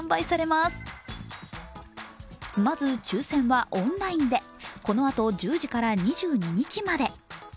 まず抽選はオンラインでこのあと１０時から２２日まで。